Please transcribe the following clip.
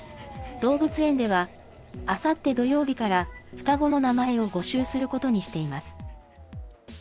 動物園では、あさって土曜日から双子の名前を募集することにしています。